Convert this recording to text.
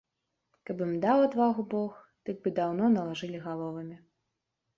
Каб ім даў адвагу бог, дык бы даўно налажылі галовамі.